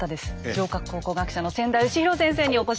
城郭考古学者の千田嘉博先生にお越し頂きました。